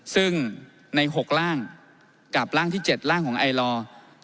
ซึ่งใน๖ร่างกับร่างที่๗ร่างของไอลอร์